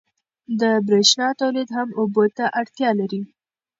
د برېښنا تولید هم اوبو ته اړتیا لري.